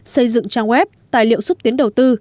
xây dựng trang web tài liệu xúc tiến đầu tư